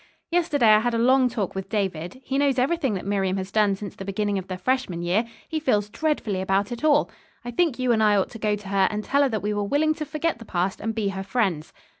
"Yesterday I had a long talk with David. He knows everything that Miriam has done since the beginning of the freshman year. He feels dreadfully about it all. I think you and I ought to go to her and tell her that we are willing to forget the past and be her friends."